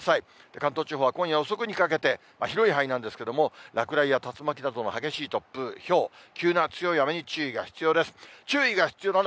関東地方は今夜遅くにかけて、広い範囲なんですけれども、落雷や竜巻などの激しい突風、ひょう、急な強い雨に注意が必要です。